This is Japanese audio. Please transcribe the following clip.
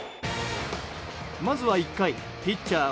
まずは１回ピッチャー